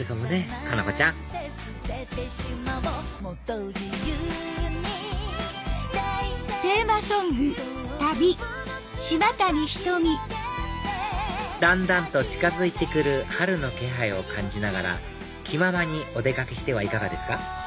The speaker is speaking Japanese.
佳菜子ちゃんだんだんと近づいて来る春の気配を感じながら気ままにお出掛けしてはいかがですか？